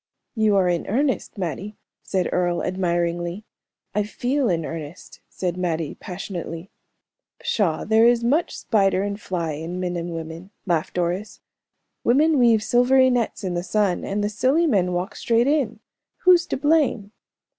"You are in earnest, Mattie," said Earle, admiringly. "I feel in earnest," said Mattie, passionately. "Pshaw, there is much spider and fly in men and women," laughed Doris. "Women weave silvery nets in the sun, and the silly men walk straight in. Who's to blame?"